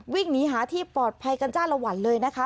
วิ่งหนีหาที่ปลอดภัยกันจ้าละวันเลยนะคะ